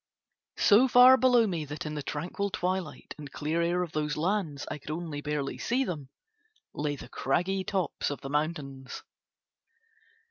So far below me that in the tranquil twilight and clear air of those lands I could only barely see them lay the craggy tops of the mountains.